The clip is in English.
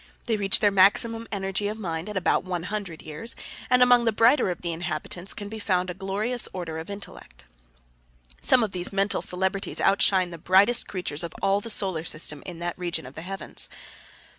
They reach their maximum energy of mind at about one hundred years, and among the brighter of the inhabitants can be found a glorious order of intellect. Some of these mental celebrities outshine the brightest creatures of all the solar systems of that region of the heavens.